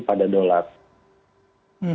jadi ini juga adalah hal yang harus dilakukan